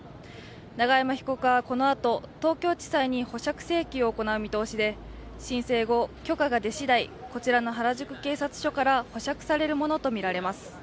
永山被告はこのあと、東京地裁に保釈請求を行う見通しで、申請後、許可が出しだいこちらの原宿警察署から保釈されるものとみられます。